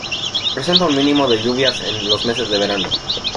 Presenta un mínimo de lluvias en los meses de verano.